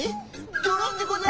ドロンでござる。